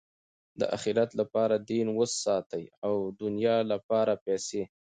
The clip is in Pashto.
د آخرت له پاره دین وساتئ! او د دؤنیا له پاره پېسې.